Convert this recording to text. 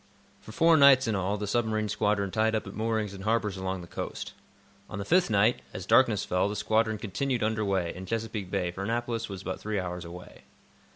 For four nights, in all, the submarine squadron tied up at moorings in harbors along the coast. On the fifth night, as darkness fell, the squadron continued under way, in Chesapeake Bay, for Annapolis was but three hours away.